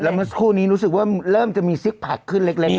แล้วเมื่อคู่นี้รู้สึกว่าเริ่มจะมีซิกผลักขึ้นขึ้น